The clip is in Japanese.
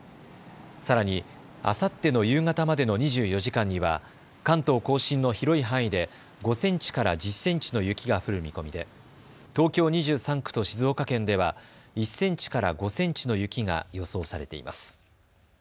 さらにあさっての夕方までの２４時間には関東甲信の広い範囲で５センチから１０センチの雪が降る見込みで東京２３区と静岡県では１センチから５センチの雪が予想されています。